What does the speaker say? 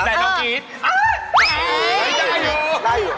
แต่เดี๋ยวคือกรี๊ด